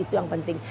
itu yang penting